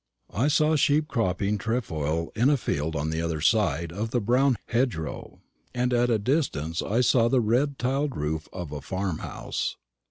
I saw sheep cropping trefoil in a field on the other side of the brown hedgerow, and at a distance I saw the red tiled roof of a farm house.